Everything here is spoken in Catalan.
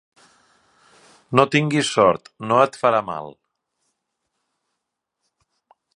No tinguis sort, no et farà mal.